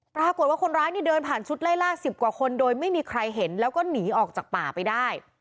ปรากฏว่าคนร้ายเนี่ยเดินผ่านชุดไล่ล่า๑๐กว่าคนโดยไม่มีใครเห็นแล้วก็หนีออกจากป่าไปได้